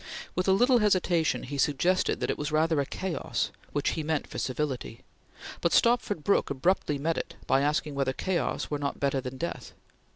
With a little hesitation, he suggested that it was rather a chaos, which he meant for civility; but Stopford Brooke abruptly met it by asking whether chaos were not better than death.